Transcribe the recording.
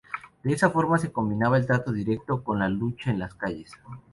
De esa forma se combinaba el Trato Directo con la lucha en las calles.